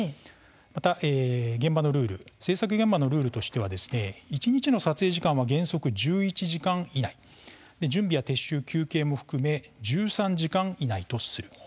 また現場のルール制作現場のルールとしては一日の撮影時間は原則１１時間以内準備や撤収、休憩も含め１３時間以内とする。